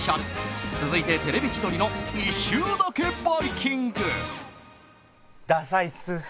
続いて『テレビ千鳥』の一周だけバイキング！！